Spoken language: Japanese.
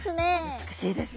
美しいですね。